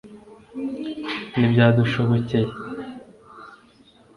ntibyadushobokeye